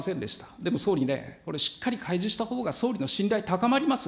でも総理ね、これしっかり開示したほうが、総理の信頼、高まりますよ。